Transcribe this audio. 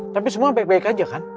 tapi semua baik baik aja kan